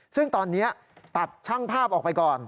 ซึ่งตอนนี้ตัดช่างภาพออกไปก่อน